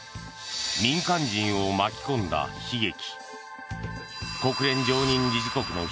民間人を巻き込んだ悲劇。